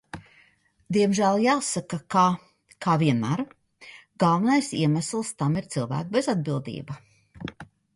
Diemžēl jāsaka, ka, kā vienmēr, galvenais iemesls tam ir cilvēku bezatbildība.